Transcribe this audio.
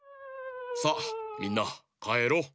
さあみんなかえろう。